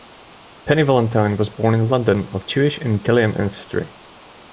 Penny Valentine was born in London, of Jewish and Italian ancestry.